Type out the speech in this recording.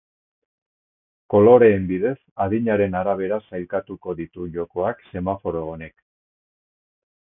Koloreen bidez, adinaren arabera sailkatuko ditu jokoak semaforo honek.